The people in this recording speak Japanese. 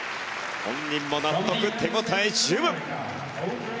本人も納得、手応え十分。